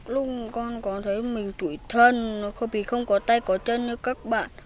lúc con có thấy mình tủi thân vì không có tay có chân như các bạn